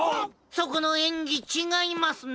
そこのえんぎちがいますな！